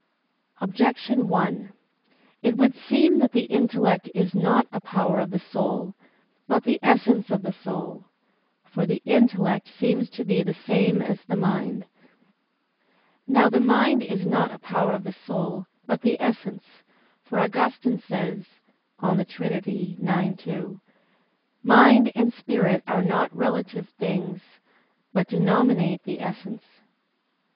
Objection 1: It would seem that the intellect is not a power of the soul, but the essence of the soul. For the intellect seems to be the same as the mind. Now the mind is not a power of the soul, but the essence; for Augustine says (De Trin. ix, 2): "Mind and spirit are not relative things, but denominate the essence."